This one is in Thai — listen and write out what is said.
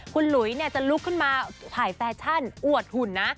คุณหลุยจะลุกขึ้นมาถ่ายแฟชั่นอวดหุ่นนะ